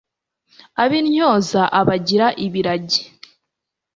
ab'intyoza abagira ibiragi